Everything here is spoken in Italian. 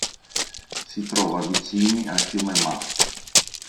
Si trova vicini al fiume Mat.